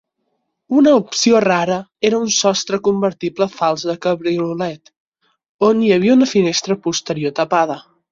Una opció rara era un sostre convertible fals de Cabriolet, on hi havia una finestra posterior tapada.